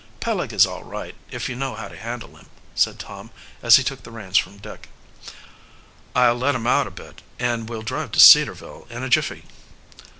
"Peleg is all right, if you know how to handle him," said Tom, as he took the reins from Dick. "I'll let him out a bit, and we'll drive to Cedarville in a jiffy."